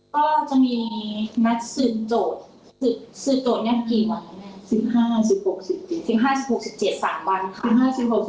ก็จะมีนัดสืบโจทย์สืบโจทย์นี้กี่วันครับแม่